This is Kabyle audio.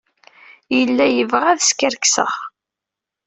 Yella yebɣa ad skerkseɣ.